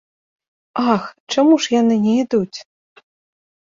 Ах, чаму ж яны не ідуць?